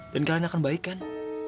dan kalian akan baik kan